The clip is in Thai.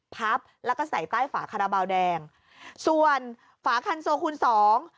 พับแล้วก็ใส่ใต้ฝาคาราบาลแดงส่วนฝาคันโซคูณสอง